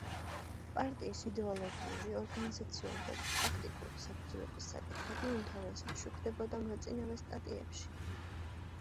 პარტიის იდეოლოგიური, ორგანიზაციული და ტაქტიკური საფუძვლების საკითხები უმთავრესად შუქდებოდა მოწინავე სტატიებში.